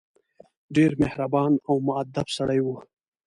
ډېر مهربان او موءدب سړی وو.